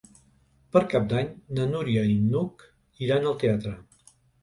Per Cap d'Any na Núria i n'Hug iran al teatre.